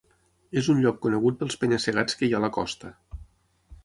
És un lloc conegut pels penya-segats que hi ha a la costa.